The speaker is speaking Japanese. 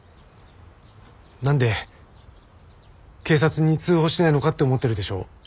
何で警察に通報しないのかって思ってるでしょう。